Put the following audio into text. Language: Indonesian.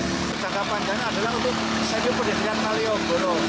penangkapan jalan adalah untuk semi pedestrian malioboro